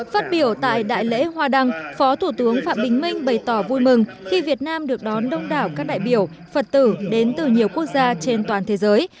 phát biểu tại đại lễ hoa đăng phó thủ tướng phạm bình minh bày tỏ vui mừng khi việt nam được đón đông đảo các đại biểu phật tử đến từ nhiều quốc gia trên toàn thế giới